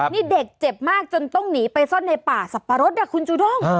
นี่เด็กเจ็บมากจนต้องหนีไปซ่อนในป่าสับปะรดคุณจูด้ง